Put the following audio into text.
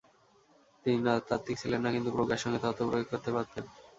তিনি তাত্ত্বিক ছিলেন না, কিন্তু প্রজ্ঞার সঙ্গে তত্ত্ব প্রয়োগ করতে পারতেন।